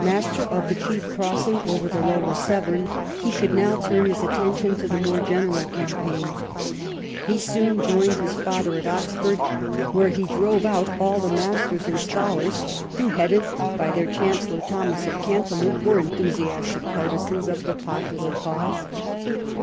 Master of the chief crossing over the Lower Severn, he could now turn his atten tion to the more general campaign. He soon joined his father at Oxford, where he drove out all the masters and scholars, who, headed by their Chancellor, Thomas of Cantilupe, were enthusiastic partisans of the popular cause.